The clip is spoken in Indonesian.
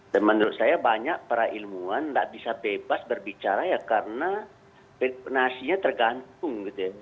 dan menurut saya banyak para ilmuwan tidak bisa bebas berbicara ya karena finansinya tergantung gitu ya